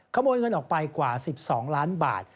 ขโมยเงินออกไปกว่า๑๒ล้านบาท